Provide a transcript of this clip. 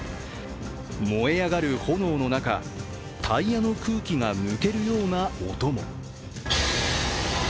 燃え上がる炎の中、タイヤの空気が抜けるような音も。